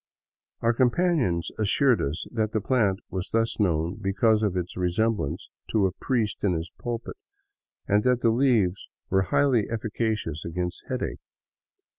Our companions assured us that the plant was thus known because of its resemblance to a priest in his pulpit, and that the leaves were highly efficacious against headache.